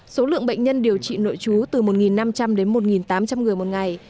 số lượng bệnh nhân điều trị nội trú từ một năm trăm linh đến một tám trăm linh người một ngày